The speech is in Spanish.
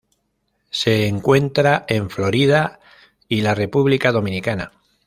Se encuentra en Florida y la República Dominicana.